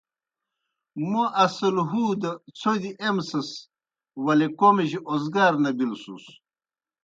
موْ اصل ہُودہ څھوْدیْ ایمسَس ولے کوْمِجیْ اوزگار نہ بِلوْسُس۔